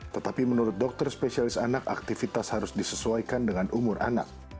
tetapi menurut dokter spesialis anak aktivitas harus disesuaikan dengan umur anak